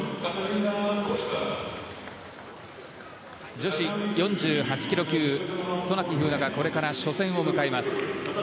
女子４８ｋｇ級渡名喜風南がこれから初戦を迎えます。